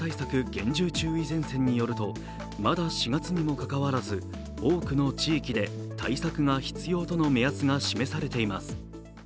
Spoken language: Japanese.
厳重注意前線によるとまだ４月にもかかわらず、多くの地域で対策が必要との目安が示されています。